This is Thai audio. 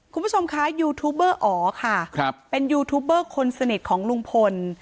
คุณผู้ชมคะยูทูบเบอร์อ๋อค่ะครับเป็นยูทูบเบอร์คนสนิทของลุงพล